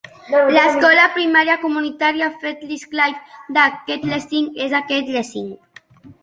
L'Escola Primària Comunitària Felliscliffe de Kettlesing és a Kettlesing.